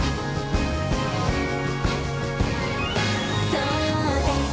「そうです！」